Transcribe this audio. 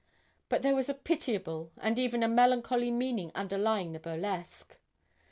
But there was a pitiable and even a melancholy meaning underlying the burlesque.